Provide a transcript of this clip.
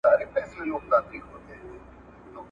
اوبه نیول سوي وې.